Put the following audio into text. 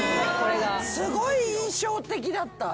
すごい印象的だったあれ。